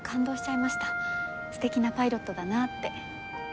素敵なパイロットだなあって。